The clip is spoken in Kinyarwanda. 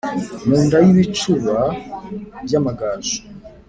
mu nda y’ibicuba by’amagaju